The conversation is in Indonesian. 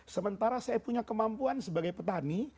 sementara saya punya kemampuan sebagai petani